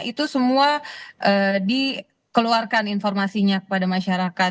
itu semua dikeluarkan informasinya kepada masyarakat